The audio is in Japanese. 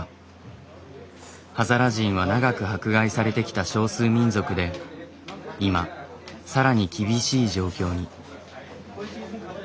ハザラ人は長く迫害されてきた少数民族で今さらに厳しい状況に。